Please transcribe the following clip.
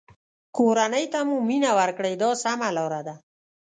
کورنۍ ته مو مینه ورکړئ دا سمه لاره ده.